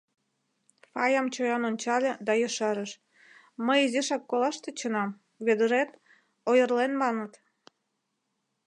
— Фаям чоян ончале да ешарыш: — Мый изишак колаш тӧченам, Вӧдырет... ойырлен маныт.